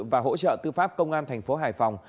và hỗ trợ tư pháp công an tp hải phòng